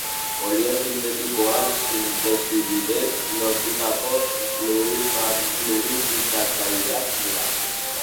Olio sintetikoak sintesi bidez lortutako lubrifikatzaileak dira.